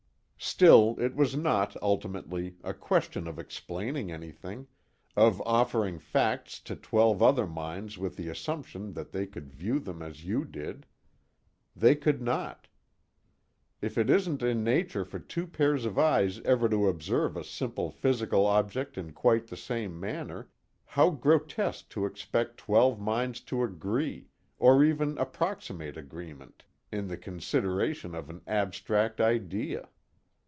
Still it was not, ultimately, a question of explaining anything, of offering facts to twelve other minds with the assumption that they could view them as you did. They could not. If it isn't in nature for two pairs of eyes ever to observe a simple physical object in quite the same manner, how grotesque to expect twelve minds to agree, or even approximate agreement, in the consideration of an abstract idea!